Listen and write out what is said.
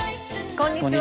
こんにちは。